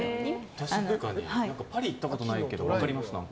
確かにパリ行ったことないけど分かります、何か。